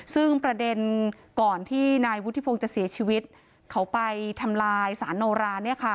ซึ่งประเด็นก่อนที่นายวุฒิพงศ์จะเสียชีวิตเขาไปทำลายสารโนรา